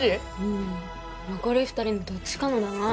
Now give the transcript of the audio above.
残り２人のどっちかのだな。